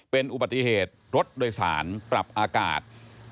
เป็นอุบัติเหตุรถโดยสารปรับอากาศ